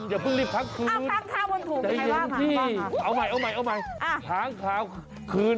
เดี๋ยวพึ่งรีบพักคืนใจเย็นที่เอาใหม่ค้างคาวคืน๑๒๓๕๐